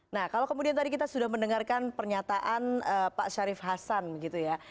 nah kalau kemudian tadi kita sudah mendengarkan pernyataan pak syarif hasan gitu ya